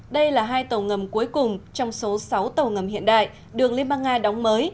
đây là hai tàu ngầm cuối cùng trong số sáu tàu ngầm hiện đại đường liên bang nga đóng mới